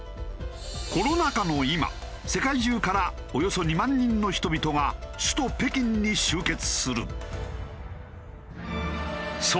コロナ禍の今世界中からおよそ２万人の人々が首都北京に集結する。